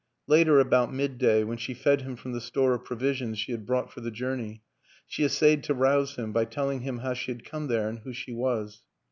Later, about midday, when she fed him from the store of provisions she had brought for the journey, she essayed to rouse him by tell ing him how she had come there and who she was.